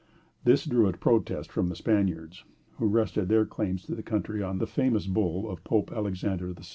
This drew a protest from the Spaniards, who rested their claims to the country on the famous bull of Pope Alexander VI.